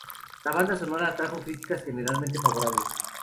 La banda sonora atrajo críticas generalmente favorables.